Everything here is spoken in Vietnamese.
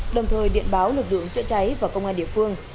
đồng thời điện báo lực lượng chữa cháy và công an địa phương